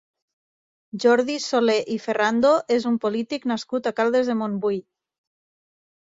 Jordi Solé i Ferrando és un polític nascut a Caldes de Montbui.